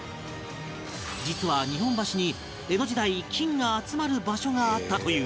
実は日本橋に江戸時代金が集まる場所があったという